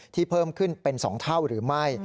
เพิ่มขึ้นเป็น๒เท่าหรือไม่